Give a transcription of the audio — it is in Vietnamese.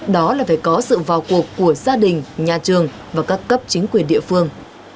đó là phải có sự vào cuộc của gia đình nhà trường và các cấp chính quyền địa phương